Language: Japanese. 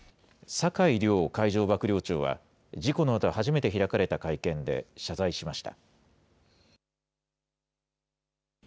酒井良海上幕僚長は、事故のあと初めて開かれた会見で謝罪しました。